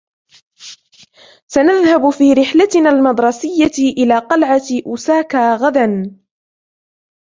سنذهب في رحلتنا المدرسية إلى قلعة أوساكا غدًا.